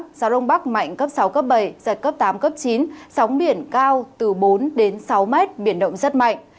gió đông bắc mạnh cấp sáu cấp bảy giật cấp tám cấp chín sóng biển cao từ bốn đến sáu mét biển động rất mạnh